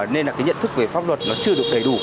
nên nhận thức về pháp luật chưa được đầy đủ